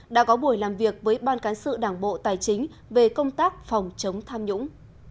đã có buổi làm việc với ban cán sự đảng bộ tài chính về công tác phòng chống tham nhũng